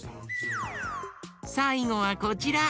さいごはこちら。